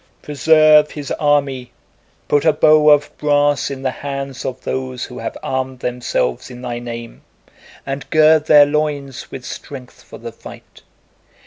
Preserve his army, put a bow of brass in the hands of those who have armed themselves in Thy Name, and gird their loins with strength for the fight.